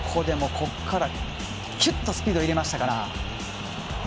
ここからキュッとスピード入れましたから。